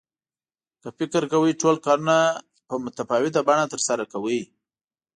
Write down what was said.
که فکر کوئ چې ټول کارونه په متفاوته بڼه ترسره کوئ.